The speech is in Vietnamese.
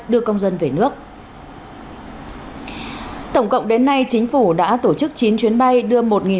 đưa công dân về nước tổng cộng đến nay chính phủ đã tổ chức chín chuyến bay đưa một hai mươi công dân